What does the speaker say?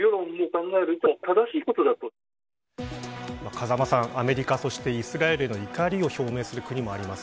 風間さん、アメリカそしてイスラエルへの怒りを表明する国もあります。